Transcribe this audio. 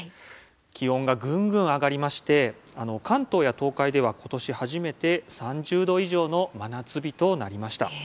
気温がぐんぐん上がりまして関東や東海では今年初めて３０度以上の真夏日となりました。